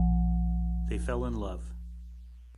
They fell in love.